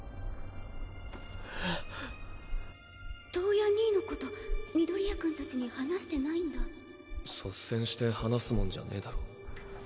燈矢兄のこと緑谷くん達に話してないんだ率先して話すもんじゃねえだろ